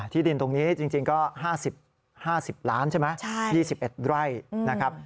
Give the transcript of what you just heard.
ที่ดินตรงนี้จริงก็๕๐ล้านใช่ไหม๒๑ไร่นะครับ